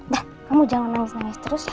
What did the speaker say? dah kamu jangan nangis nangis terus